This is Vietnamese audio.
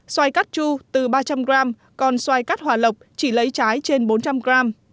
xoài cắt chu từ ba trăm linh g còn xoài cắt hòa lộc chỉ lấy trái trên bốn trăm linh gram